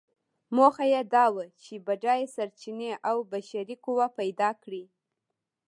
موخه یې دا وه چې بډایه سرچینې او بشري قوه پیدا کړي.